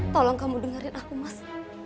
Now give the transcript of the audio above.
tolong kamu dengerin aku mas